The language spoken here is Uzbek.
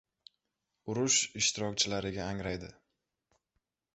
Urush ishtirokchilari angraydi.